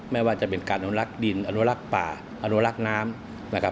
ไม่ว่าจะเป็นการอนุรักษ์ดินอนุรักษ์ป่าอนุรักษ์น้ำนะครับ